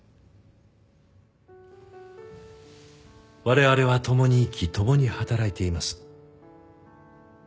我々は共に生き共に働いています。